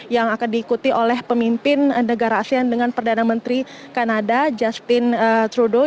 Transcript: yang akan diikuti oleh pemimpin negara asean dengan perdana menteri kanada justin trudeau